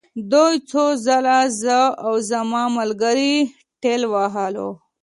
دوی څو ځله زه او زما ملګري ټېل وهلو